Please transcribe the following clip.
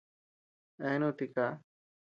Eeanu tikaa.